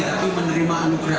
tapi menerima anugerah